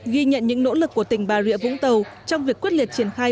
ghi nhận những nỗ lực của tỉnh bà rịa vũng tàu trong việc quyết liệt triển khai